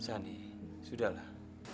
san sudah lah